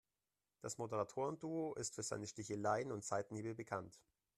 Das Moderatoren-Duo ist für seine Sticheleien und Seitenhiebe bekannt.